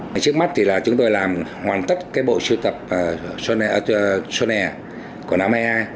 trước mắt thì là chúng tôi làm hoàn tất cái bộ siêu tập sonea của năm hai nghìn hai mươi hai